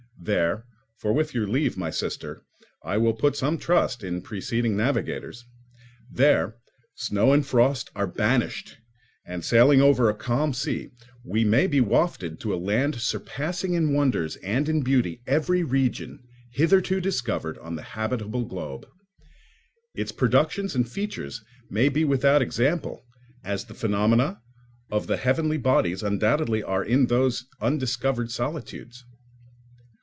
There—for with your leave, my sister, I will put some trust in preceding navigators—there snow and frost are banished; and, sailing over a calm sea, we may be wafted to a land surpassing in wonders and in beauty every region hitherto discovered on the habitable globe. Its productions and features may be without example, as the phenomena of the heavenly bodies undoubtedly are in those undiscovered solitudes.